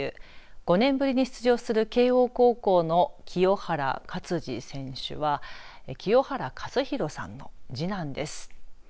５年ぶりに出場する慶応高校の清原勝児選手は清原和博さんの次男です。